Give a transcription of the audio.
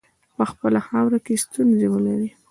په خپله خاوره کې ستونزي ولري.